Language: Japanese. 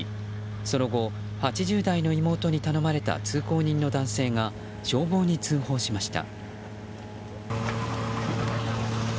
その後、８０代の妹に頼まれた通行人の男性が消防に通報しました。